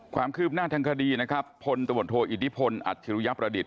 ความคืบหน้าทางคดีพลตะวนโทอิดิพลอัฐิรุยัพย์ประดิษฐ์